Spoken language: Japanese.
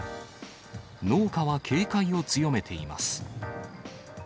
農家は警戒を強めています。